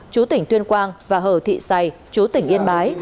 chú tỉnh tuyên quang và hở thị xài chú tỉnh yên bái